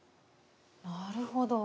なるほど。